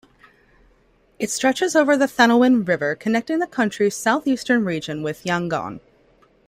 It stretches over the Thanlwin River connecting the country's south eastern region with Yangon.